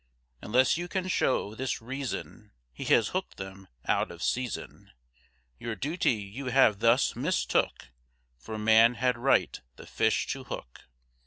Unless you can show this reason, He has hooked them out of season, Your duty you have thus mistook, For man had right the fish to hook.